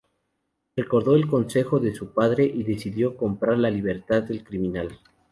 Recordó el consejo de su padre y decidió comprar la libertad del criminal.